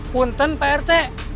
punten pak rt